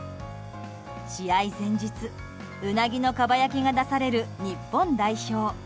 試合前日、ウナギのかば焼きが出される日本代表。